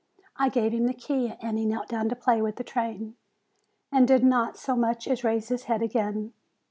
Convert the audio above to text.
I gave him the key, and he knelt down to play with the train, and did not so much as raise his head again.